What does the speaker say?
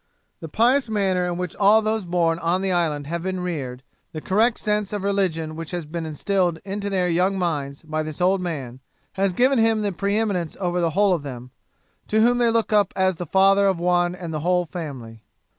The pious manner in which all those born on the island have been reared, the correct sense of religion which has been instilled into their young minds by this old man, has given him the pre eminence over the whole of them, to whom they look up as the father of one and the whole family.